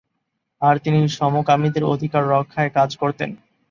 আর তিনি সমকামীদের অধিকার রক্ষায় কাজ করতেন।